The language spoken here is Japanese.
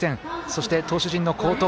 そして、投手陣の好投。